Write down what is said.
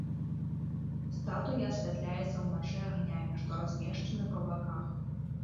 Статуя асвятляецца ўначы агнямі, што размешчаны па баках.